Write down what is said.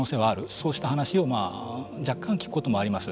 そうした話を若干聞くこともあります。